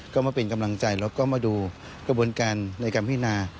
ก็มาเป็นกำลังใจแล้วก็มาดูกระบวนการในการพินา